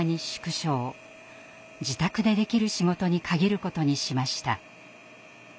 自宅でできる仕事に限ることにしました。